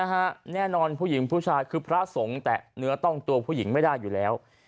แน่นอนผู้หญิงผู้ชายคือพระสงฆ์แตะเนื้อต้องตัวผู้หญิงไม่ได้อยู่แล้ว